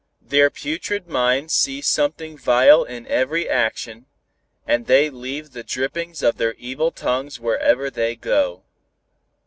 Their putrid minds see something vile in every action, and they leave the drippings of their evil tongues wherever they go.